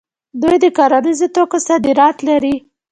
دوی د کرنیزو توکو صادرات لري.